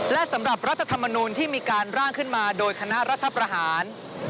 และสำหรับรัฐธรรมนูลที่มีการร่างขึ้นมาโดยคณะรัฐประหาร